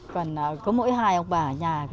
còn có mỗi hai ông bà ở nhà